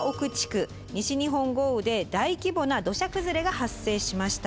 西日本豪雨で大規模な土砂崩れが発生しました。